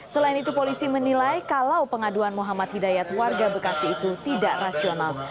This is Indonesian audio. selain itu polisi menilai kalau pengaduan muhammad hidayat warga bekasi itu tidak rasional